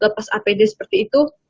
lepas apd seperti itu